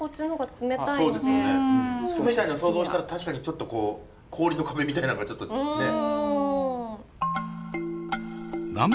冷たいの想像したら確かにちょっと氷の壁みたいなんがちょっとねえ。